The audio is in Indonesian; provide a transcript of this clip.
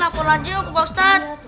laporan aja yuk ke ustad